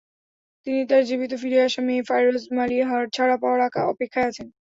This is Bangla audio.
তিনি তাঁর জীবিত ফিরে আসা মেয়ে ফাইরুজ মালিহার ছাড়া পাওয়ার অপেক্ষায় আছেন।